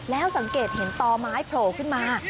แล้วสังเกตเห็นต่อไม้โผล่ขึ้นมา